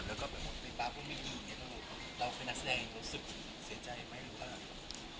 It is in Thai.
เราเป็นนักแสดงยังรู้สึกเสียใจไหม